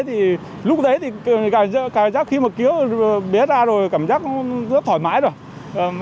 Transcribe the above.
thì lúc đấy thì cảm giác khi mà cứu bé ra rồi cảm giác rất thoải mái rồi